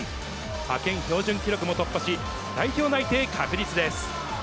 派遣標準記録も突破し、代表内定確実です。